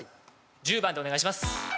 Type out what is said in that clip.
１０番でお願いします。